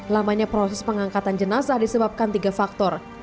lamanya proses pengangkatan jenazah disebabkan tiga faktor